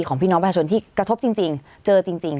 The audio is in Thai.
พี่น้องประชาชนที่กระทบจริงเจอจริง